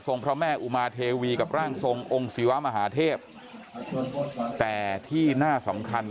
พระแม่อุมาเทวีกับร่างทรงองค์ศิวะมหาเทพแต่ที่น่าสำคัญ